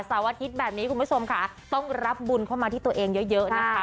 อาทิตย์แบบนี้คุณผู้ชมค่ะต้องรับบุญเข้ามาที่ตัวเองเยอะนะคะ